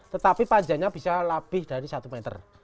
tetapi panjangnya bisa lebih dari satu meter